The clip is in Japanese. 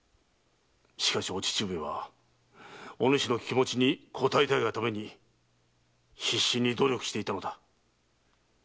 しかしお父上はおぬしの気持ちに応えたいがため必死に努力していたのだ。